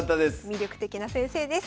魅力的な先生です。